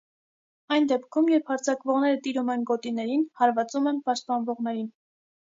Այն դեպքում, երբ հարձակվողները տիրում են գոտիներին, հարվածում են պաշտպանվողներին։